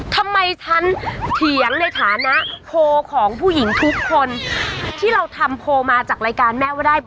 ทำไมฉันเถียงในฐานะโพลของผู้หญิงทุกคนที่เราทำโพลมาจากรายการแม่ว่าได้